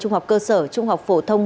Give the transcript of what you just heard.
trung học cơ sở trung học phổ thông